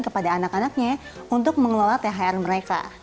kepada anak anaknya untuk mengelola thr mereka